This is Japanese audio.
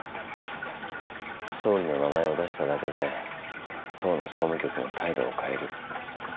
総理の名前を出しただけで党の総務局も態度を変える。